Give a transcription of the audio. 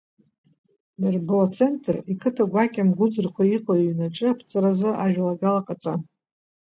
Иарбоу ацентр, иқыҭа гәакьа, Мгәыӡырхәа иҟоу иҩны аҿы аԥҵаразы ажәалагала ҟаҵан.